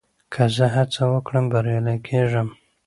که زه هڅه وکړم، بريالی کېږم.